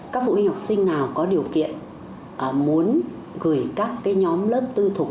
các phụ huynh học sinh nào có điều kiện muốn gửi các cái nhóm lớp tư thục